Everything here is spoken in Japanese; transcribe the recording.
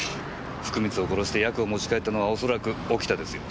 福光を殺してヤクを持ち帰ったのは恐らく沖田ですよ。